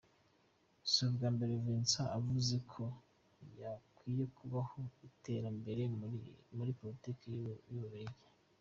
Si ubwa mbere Vincent avuze ko hakwiye kubaho iterambere muri politiki y'Ububiligi.